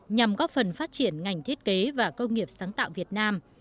nhằm góp phần phát triển ngành thiết kế và công nghiệp sáng tạo việt nam